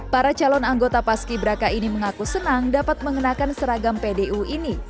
para calon anggota paski braka ini mengaku senang dapat mengenakan seragam pdu ini